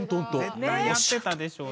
絶対やってたでしょうね。